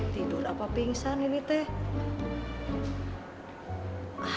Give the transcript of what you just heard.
tidur apa pingsan ini teh